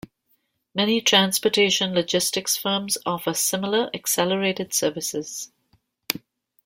Many transportation logistics firms offer similar accelerated services.